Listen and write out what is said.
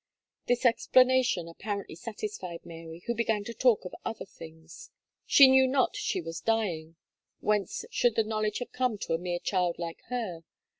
This explanation apparently satisfied Mary, who began to talk of other things. She knew not she was dying; whence should the knowledge have come to a mere child like her.